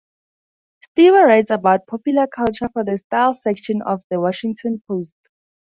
Stuever writes about popular culture for the "Style" section of the "Washington Post".